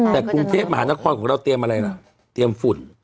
แต่กรุงเทพมหานครของเราเตรียมอะไรล่ะเตรียมฝุ่น